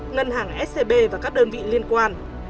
ngân hàng scb và các đơn vị liên quan